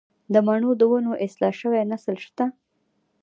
د مڼو د ونو اصلاح شوی نسل شته